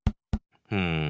うん。